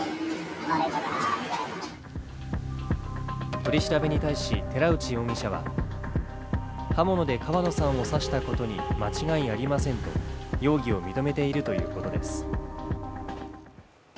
取り調べに対し寺内容疑者は刃物で川野さんを刺したことに間違いありませんと容疑を認めているということです。